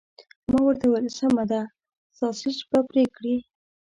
ما ورته وویل: سمه ده، ساسیج به پرې کړي؟